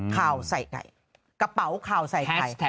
ข่าวใส่ไข่กระเป๋าข่าวใส่ไข่